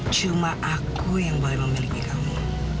cuma aku yang boleh memiliki kamu